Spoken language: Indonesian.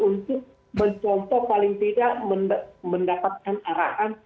untuk mencontoh paling tidak mendapatkan arahan